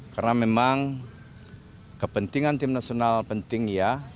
karena memang kepentingan tim nasional penting ya